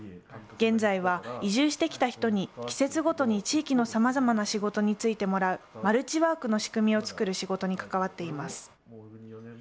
現在は移住してきた人に季節ごとに地域のさまざまな仕事に就いてもらうマルチワークの仕組みを作る仕事に関わっています。